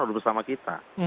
harus bersama kita